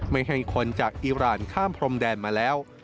ไม่ให้คนจากอีรานข้ามพรมแดนมาแล้ว